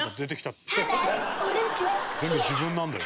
「全部自分なんだよ」